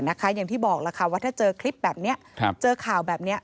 อย่างที่บอกล่ะค่ะว่าถ้าเจอคลิปแบบนี้เจอข่าวแบบนี้